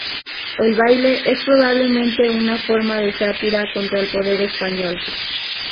El baile es probablemente una forma de sátira contra el poder español.